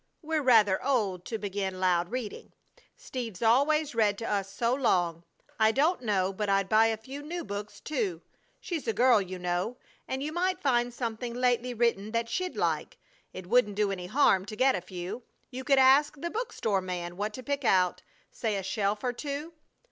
We're rather old to begin loud reading, Steve's always read to us so long. I don't know but I'd buy a few new books, too. She's a girl you know, and you might find something lately written that she'd like. It wouldn't do any harm to get a few. You could ask the book store man what to pick out say a shelf or two."